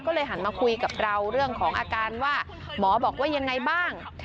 ก็เลยหันมาคุยกับเราเรื่องของอาการว่าหมอบอกว่ายังไงบ้าง